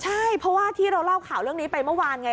ใช่เพราะว่าที่เราเล่าข่าวเรื่องนี้ไปเมื่อวานไง